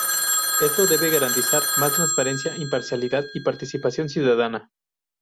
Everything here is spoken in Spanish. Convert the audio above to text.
Esto debe garantizar más transparencia, imparcialidad y participación ciudadana.